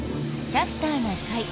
「キャスターな会」。